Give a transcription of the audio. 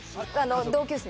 同級生？